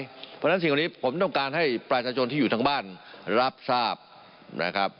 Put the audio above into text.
เพราะฉะนั้นสิ่งวันนี้ผมต้องการให้ปลายชาญชนที่อยู่ทั้งบ้านรับทราบ